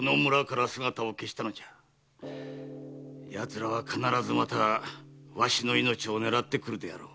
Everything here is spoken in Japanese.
奴らは必ずまたわしの命を狙ってくるであろう。